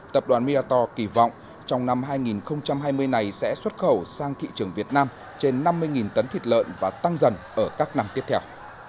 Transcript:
tập đoàn mirator kỳ vọng trong năm hai nghìn hai mươi này sẽ xuất khẩu sang thị trường việt nam trên năm mươi tấn thịt lợn và tăng dần ở các năm tiếp theo